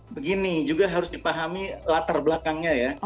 begini juga harus dipahami latar belakangnya ya